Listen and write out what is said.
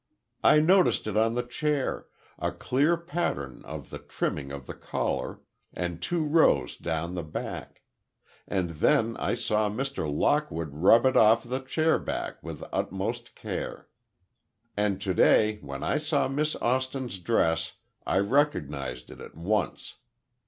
"I noticed it on the chair, a clear pattern of the trimming of the collar, and two rows down the back. And then I saw Mr. Lockwood rub it off of the chairback with utmost care. And today, when I saw Miss Austin's dress, I recognized it at once.